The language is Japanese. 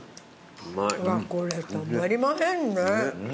これたまりませんね。